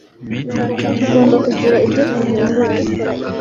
Tugomba kugira ibyo duhindura.